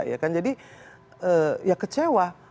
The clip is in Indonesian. ya kan jadi ya kecewa